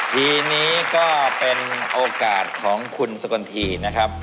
ปีนี้ก็เป็นโอกาสของคุณสกลทีนะครับ